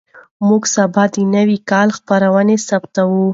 موږ سبا د نوي کال خپرونه ثبتوو.